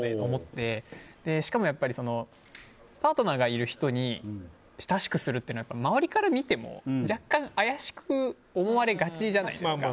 しかもパートナーがいる人に親しくするというのは周りから見ても若干、怪しく思われがちじゃないですか。